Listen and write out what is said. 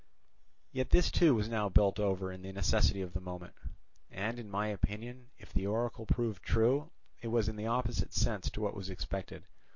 Yet this too was now built over in the necessity of the moment. And in my opinion, if the oracle proved true, it was in the opposite sense to what was expected.